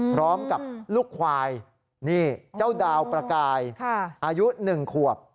พร้อมกับลูกควายนี่เจ้าดาวประกายอายุ๑ขวบ